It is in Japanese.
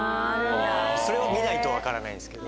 それは見ないと分からないんですけど。